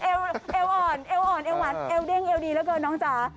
โอ้โฮเอวอ่อนเอวอ่อนเอวหวานเอวเด้งเอวดีแล้วกันน้องจ๋า